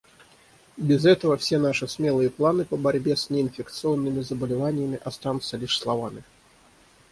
Без этого все наши смелые планы по борьбе с неинфекционными заболеваниями останутся лишь словами.